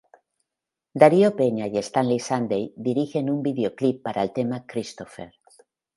Darío Peña y Stanley Sunday dirigen un videoclip para el tema "Christopher".